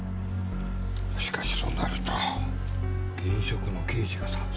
しかしそうなると現職の刑事が殺人を。